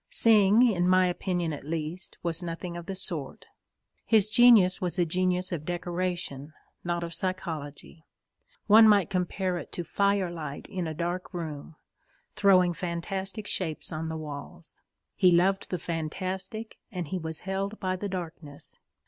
Synge, in my opinion at least, was nothing of the sort. His genius was a genius of decoration, not of psychology. One might compare it to firelight in a dark room, throwing fantastic shapes on the walls. He loved the fantastic, and he was held by the darkness.